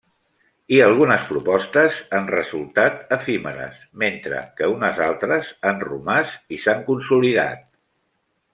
I algunes propostes han resultat efímeres, mentre que unes altres han romàs i s'han consolidat.